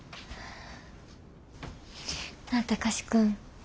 なあ貴司君